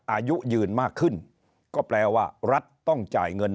อายุยืนมากขึ้นก็แปลว่ารัฐต้องจ่ายเงิน